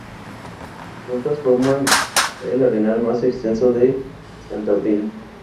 Juntas, forman el arenal más extenso de Cantabria.